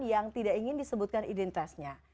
yang tidak ingin disebutkan identitasnya